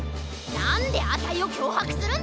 なんであたいをきょうはくするんだ！？